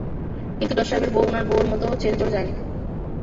কিন্তু জজ সাহেবের বউ উনার বউয়ের মতো ছেড়ে চলে যায়নি।